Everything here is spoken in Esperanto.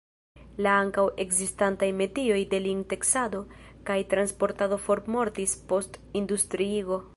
La ankaŭ ekzistantaj metioj de lin-teksado kaj transportado formortis post industriigo.